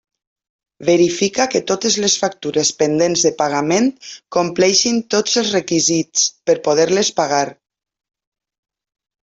Verifica que totes les factures pendents de pagament compleixin tots els requisits per poder-les pagar.